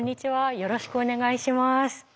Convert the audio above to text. よろしくお願いします。